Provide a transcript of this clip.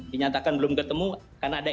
dinyatakan belum ketemu karena ada